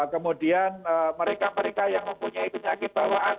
kemudian mereka mereka yang mempunyai penyakit bawaan